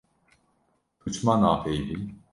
Tu çima napeyivî.